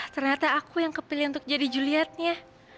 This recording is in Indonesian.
ternyata aku yang kepilih untuk jadi julietnya